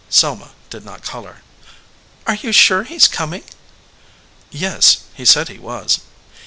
Selma did not color. "Are you sure he s com ing?" "Yes, he said he was."